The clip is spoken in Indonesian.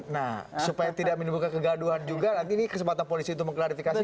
nah supaya tidak menimbulkan kegaduhan juga nanti ini kesempatan polisi untuk mengklarifikasi